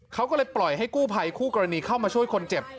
เขาก็เลยปล่อยให้กู้ภัยคู่กรณีเข้ามาช่วยคนเจ็บ